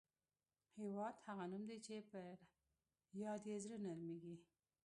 هېواد هغه نوم دی چې پر یاد یې زړه نرميږي.